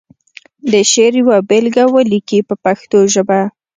د شعر یوه بېلګه ولیکي په پښتو ژبه.